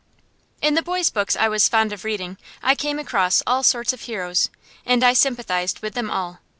In the boys' books I was fond of reading I came across all sorts of heroes, and I sympathized with them all.